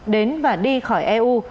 đến và đi khỏi eu